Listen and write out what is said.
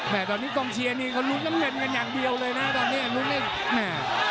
แต่ตอนนี้กองเชียร์นี่ก็ลุกน้ำเห็นกันอย่างเดียวเลยนะตอนนี้ลุกนี่